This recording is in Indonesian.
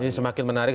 ini semakin menarik